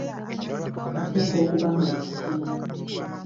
Oteekwa okuba nga wakisoma.